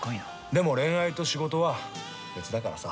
でも恋愛と仕事は別だからさ。